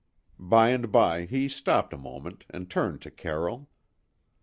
By and by he stopped a moment and turned to Carroll.